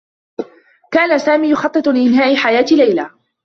كان سامي يخطّط لإنهاء حياة ليلى.